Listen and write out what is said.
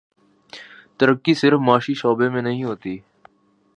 ترقی صرف معاشی شعبے میں نہیں ہوتی۔